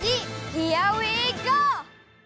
ヒアウィーゴー！